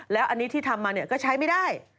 แล้วอันนี้ที่ทำมาก็ใช้ไม่ได้